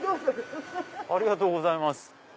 ありがとうございます。